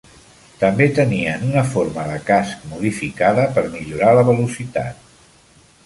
També tenien una forma de casc modificada per millorar la velocitat.